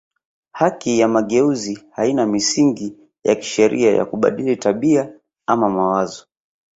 Haki ya mageuzi haina misingi ya kisheria ya kubadili tabia ama mawazo